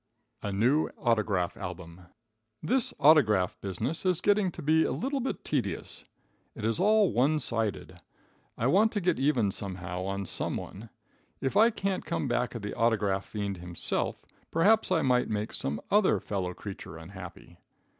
A New Autograph Album. This autograph business is getting to be a little bit tedious. It is all one sided. I want to get even some how, on some one. If I can't come back at the autograph fiend himself, perhaps I might make some other fellow creature unhappy.